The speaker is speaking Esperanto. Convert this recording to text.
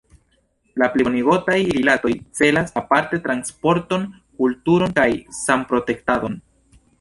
La plibonigotaj rilatoj celas aparte transporton, kulturon kaj sanprotektadon.